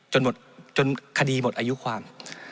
จนคดีหมดอายุความ